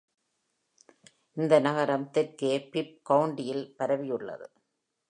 இந்த நகரம் தெற்கே பிப் கவுண்டியில் பரவியுள்ளது.